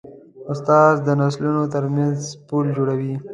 استاد د نسلونو ترمنځ پل جوړوي.